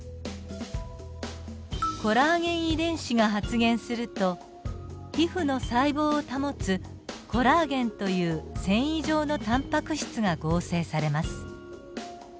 コラーゲン遺伝子が発現すると皮膚の細胞を保つコラーゲンという繊維状のタンパク質が合成されます。